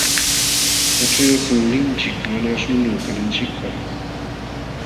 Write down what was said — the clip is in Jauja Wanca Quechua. Yaćhaywasin linchik mana aśhnunu kananchikpaq.